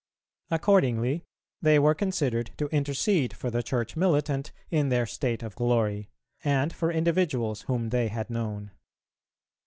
Accordingly they were considered to intercede for the Church militant in their state of glory, and for individuals whom they had known.